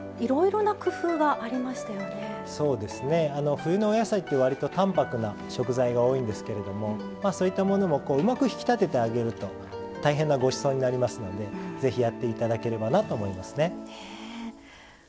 冬のお野菜って割と淡泊な食材が多いんですけれどもそういったものもうまく引き立ててあげると大変なごちそうになりますのでぜひやって頂ければなと思いますね。